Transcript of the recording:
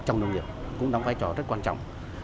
trong nông nghiệp cũng đóng vai trò rất quan trọng